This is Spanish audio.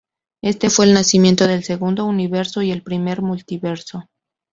Este fue el nacimiento del segundo universo y el primer multiverso.